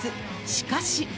しかし。